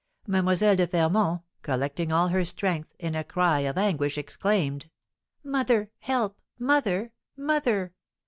Mlle. de Fermont, collecting all her strength, in a cry of anguish, exclaimed: "Mother! Help! Mother! Mother!"